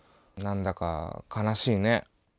なんだか悲しいね。